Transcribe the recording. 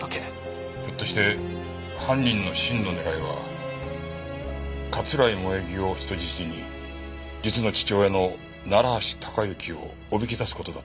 ひょっとして犯人の真の狙いは桂井萌衣を人質に実の父親の楢橋高行をおびき出す事だったのか？